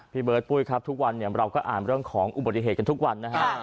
พี่เบิร์ดปุ้ยครับทุกวันเนี่ยเราก็อ่านเรื่องของอุบัติเหตุกันทุกวันนะฮะ